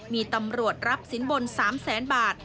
มีตำรวจรับสินบน๓แสนบาท